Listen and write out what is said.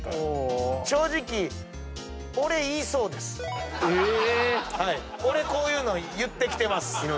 俺こういうの言ってきてます。